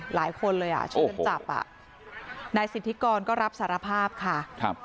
หลายคนเลยอ่ะช่วยกันจับอ่ะนายสิทธิกรก็รับสารภาพค่ะครับ